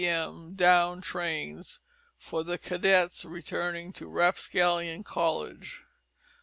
m. Down Trains, for the Cadets returning to Rapscallion College.